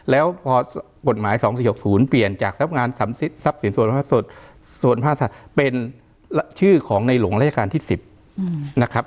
แล้วพอกฎหมาย๒๔๖๐เปลี่ยนจากทรัพย์งานทรัพย์สินส่วนพระสดส่วนภาคสัตว์เป็นชื่อของในหลวงราชการที่๑๐นะครับ